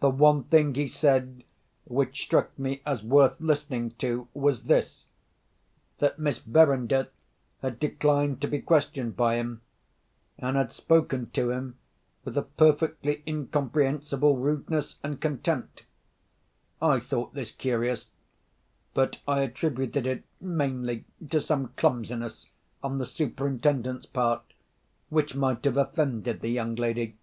The one thing he said which struck me as worth listening to, was this—that Miss Verinder had declined to be questioned by him, and had spoken to him with a perfectly incomprehensible rudeness and contempt. I thought this curious—but I attributed it mainly to some clumsiness on the Superintendent's part which might have offended the young lady.